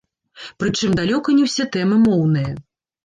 Прычым далёка не ўсе тэмы моўныя.